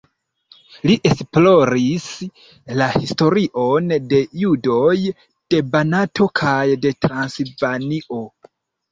Li esploris la historion de judoj de Banato kaj de Transilvanio.